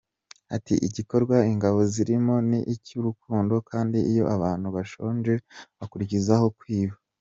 Ati:”Igikorwa ingabo zirimo ni icy’urukundo, kandi iyo abantu bashonje bakurizamo kwiba”.